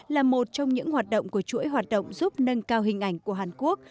là một trong những hoạt động của chuỗi hoạt động giúp nâng cao hình ảnh của hàn quốc